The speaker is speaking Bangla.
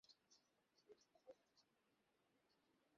সে নিজের ধৈর্য জিইয়ে রেখেছে।